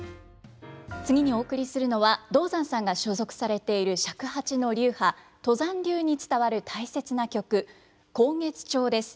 次にお送りするのは道山さんが所属されている尺八の流派都山流に伝わる大切な曲「慷月調」です。